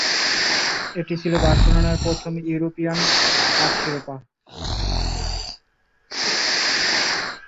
এটি ছিল বার্সেলোনার প্রথম ইউরোপীয়ান কাপ শিরোপা।